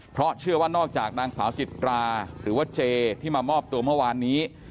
เพราะเชื่อว่านอกจากนางสาวจิตราหรือว่าเจที่มามอบตัวเมื่อวานนี้